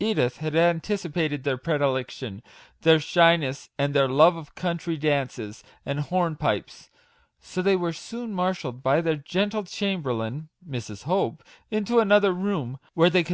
Edith had anticipated their predilection, their shyness, and their love of country dances and hornpipes ; so they were soon mar shalled by their gentle chamberlain, Mrs. Hope, into another room, where they could 48 MAGIC WORDS.